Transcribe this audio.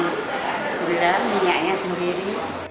gula minyaknya sendiri